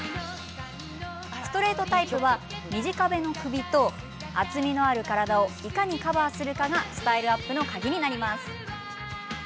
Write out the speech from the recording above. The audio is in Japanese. ストレートタイプは短めの首と厚みのある体をいかにカバーするかがスタイルアップの鍵になります。